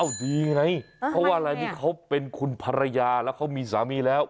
ดีไงเพราะว่าอะไรนี่เขาเป็นคุณภรรยาแล้วเขามีสามีแล้ว